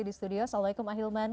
di studio assalamualaikum ahilman